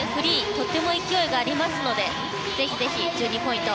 とても勢いがありますのでぜひぜひ、１２ポイント。